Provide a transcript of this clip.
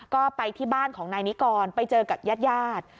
ก็ไปที่บ้านของนายนิกรไปเจอกับญาติญาติ